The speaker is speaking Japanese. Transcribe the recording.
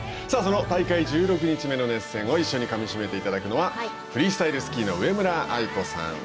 その大会１６日目の熱戦を一緒にかみしめていただくのはフリースタイルスキーの上村愛子さん。